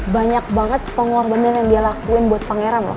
banyak banget pengorbanan yang dia lakuin buat pangeran loh